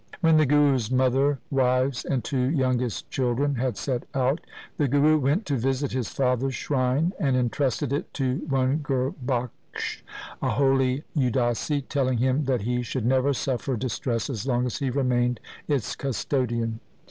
When the Guru's mother, wives, and two youngest children had set out, the Guru went to visit his father's shrine and entrusted it to one Gurbakhsh, a holy Udasi, telling him that he should never suffer dis tress as long as he remained its custodian.